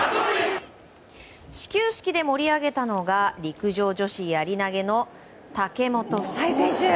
始球式で盛り上げたのが陸上女子やり投げの武本紗栄選手。